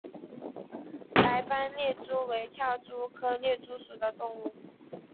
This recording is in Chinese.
白斑猎蛛为跳蛛科猎蛛属的动物。